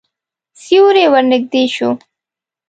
سیوری ورنږدې شو.